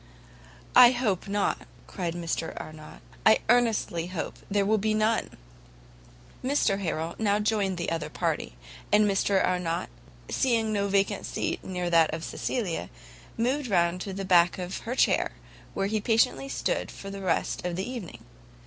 "I hope not," cried Mr Arnott, "I earnestly hope there will be none!" Mr Harrel now joined another party; and Mr Arnott seeing no seat vacant near that of Cecilia, moved round to the back of her chair, where he patiently stood for the rest of the evening.